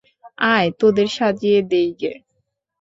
আয় তোদের সাজিয়ে দিইগে।